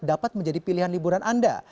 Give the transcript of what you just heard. dapat menjadi pilihan liburan anda